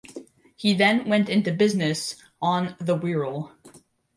He then went into business on the Wirral.